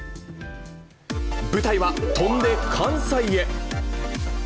舞台は翔んで関西へ。